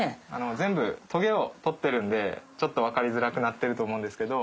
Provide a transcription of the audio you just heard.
全部トゲを取ってるんでちょっと分かりづらくなってると思うんですけど。